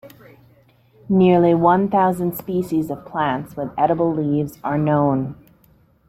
Nearly one thousand species of plants with edible leaves are known.